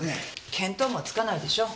見当もつかないでしょ。